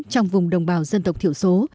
trong vùng đồng bào dân tộc thiểu số